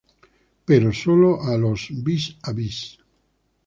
Pero sólo a los vis a vis".